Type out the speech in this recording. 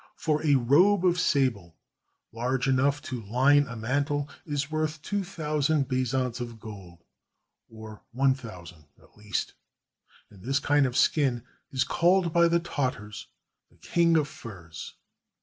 For a robe of sable, large enough to line a mantle, is worth two thou sand bezants of gold, or one thousand, at least, and this kind of skin is called by the Tartars "the king of furs."